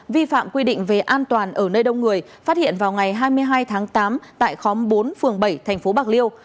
vi phạm quy định về an toàn ở nơi đông người phát hiện vào ngày hai mươi hai tháng tám tại khóm bốn phường bảy thành phố bạc liêu